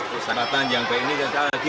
dan perusahaan yang baik ini ada lagi